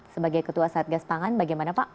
sebagai ketua satgas pangan bagaimana pak